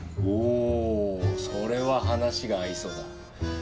おおそれは話が合いそうだ。